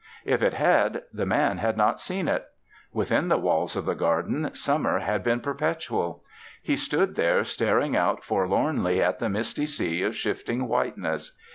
If it had, the Man had not seen it. Within the walls of the garden summer had been perpetual. He stood there staring out forlornly at the misty sea of shifting whiteness.